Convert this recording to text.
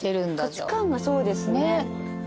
価値観がそうですね。